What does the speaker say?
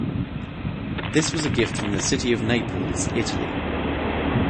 This was a gift from the city of Naples, Italy.